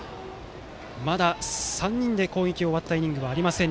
まだ３人で攻撃が終わったイニングはありません